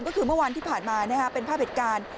ก็คือเมื่อวันที่ผ่านมาเป็นภาพเหตุการณ์